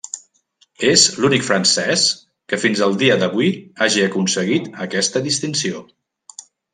És l'únic francès que fins al dia d'avui hagi aconseguit aquesta distinció.